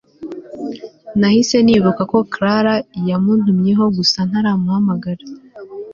nahise nibuka ko Clara yamuntumyeho gusa ntaramuhamagara